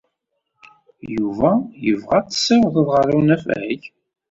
Yuba yebɣa ad t-ssiwḍeɣ ɣer unafag?